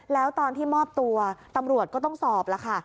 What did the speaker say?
แล้วตอนที่มอบตัวตำรวจก็ต้องสอบแล้วค่ะ